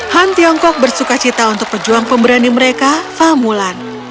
han tiongkok bersuka cita untuk pejuang pemberani mereka famulan